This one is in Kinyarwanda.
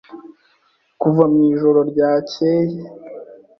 kuva mu ijoro ryacyeye